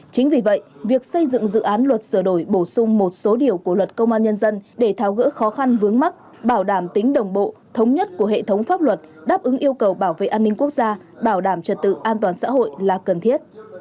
chính vì vậy việc xây dựng dự án luật sửa đổi bổ sung một số điều của luật công an nhân dân để tháo gỡ khó khăn vướng mắt bảo đảm tính đồng bộ thống nhất của hệ thống pháp luật đáp ứng yêu cầu bảo vệ an ninh quốc gia bảo đảm trật tự an toàn xã hội là cần thiết